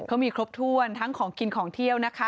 เขามีครบถ้วนทั้งของกินของเที่ยวนะคะ